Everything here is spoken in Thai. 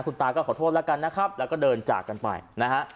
คุณตาก็ขอโทษแล้วกันนะครับแล้วก็เดินจากกันไปนะฮะ